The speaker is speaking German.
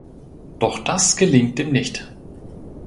Doch das gelingt ihm nicht.